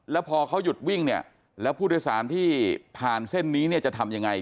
แล้วพอเขาหยุดวิ่งเนี่ยแล้วผู้โดยสารที่ผ่านเส้นนี้เนี่ยจะทำยังไง